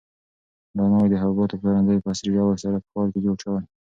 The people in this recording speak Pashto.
دا نوی د حبوباتو پلورنځی په عصري ډول سره په ښار کې جوړ شوی.